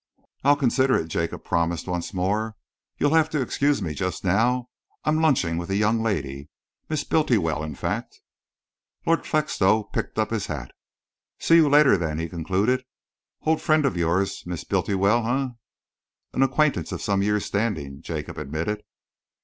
"I'll consider it," Jacob promised once more. "You'll have to excuse me just now. I'm lunching with a young lady Miss Bultiwell, in fact." Lord Felixstowe picked up his hat. "See you later, then," he concluded. "Old friend of yours, Miss Bultiwell, eh?" "An acquaintance of some years' standing," Jacob admitted.